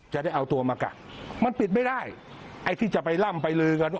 จะได้เอาตัวมากัดมันปิดไม่ได้ไอ้ที่จะไปล่ำไปลือกันว่า